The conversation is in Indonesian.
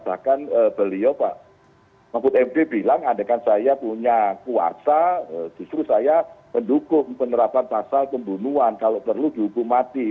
bahkan beliau pak mahfud md bilang andaikan saya punya kuasa justru saya mendukung penerapan pasal pembunuhan kalau perlu dihukum mati